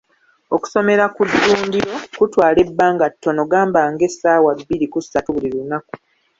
Okusomera ku ddundiro kutwala ebbanga ttono gamba nga essaawa bbiri ku ssatu buli lunaku.